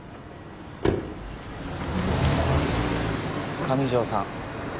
上条さん